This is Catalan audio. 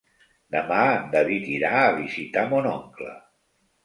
Demà en David irà a visitar mon oncle.